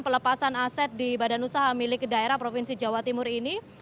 pelepasan aset di badan usaha milik daerah provinsi jawa timur ini